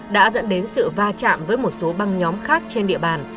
đã dẫn đến sự va chạm với một số băng nhóm khác trên địa bàn